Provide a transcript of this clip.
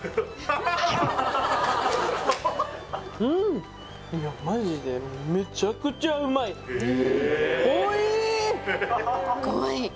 うんいやマジでめちゃくちゃうまい濃い！